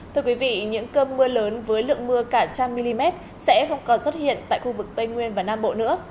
thưa quý vị những cơm mưa lớn với lượng mưa cả trăm mm sẽ không còn xuất hiện tại khu vực tây nguyên và nam bộ nữa